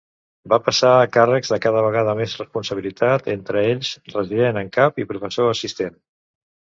Va passar a càrrecs de cada vegada més responsabilitat, entre ells resident en cap i professor assistent.